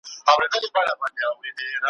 زه به راځمه خامخا راځمه `